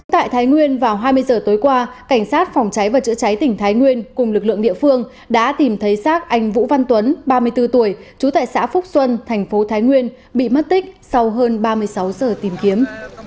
tại thái nguyên vào hai mươi giờ tối qua cảnh sát phòng cháy và chữa cháy tỉnh thái nguyên cùng lực lượng địa phương đã tìm thấy xác anh vũ văn tuấn ba mươi bốn tuổi trú tại xã phúc xuân thành phố thái nguyên bị mất tích sau hơn ba mươi sáu giờ tìm kiếm